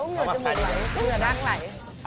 เหนือจมูกไหลเหนือด้านไหล